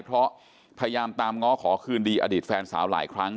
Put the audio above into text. เพราะพยายามตามง้อขอคืนดีอดีตแฟนสาวหลายครั้ง